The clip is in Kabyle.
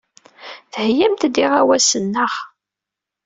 Theyyamt-d iɣawasen, naɣ?